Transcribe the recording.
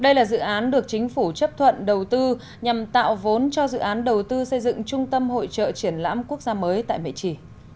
đây là dự án được chính phủ chấp thuận đầu tư nhằm tạo vốn cho dự án đầu tư xây dựng trung tâm hội trợ triển lãm quốc gia mới tại mệch trì